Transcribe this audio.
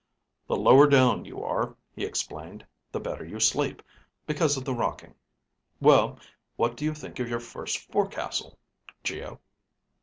"The lower down you are," he explained, "the better you sleep, because of the rocking. Well, what do you think of your first forecastle, Geo?"